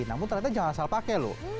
namun ternyata jangan asal pakai loh